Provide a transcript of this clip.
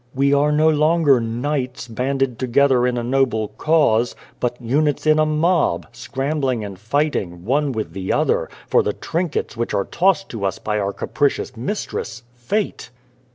We are no longer knights, banded together in a noble cause, but units in a mob, scrambling and fighting, one with the other, for the trinkets which are tossed to us by our capricious mistress, Fate.